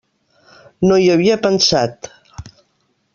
No hi havia pensat.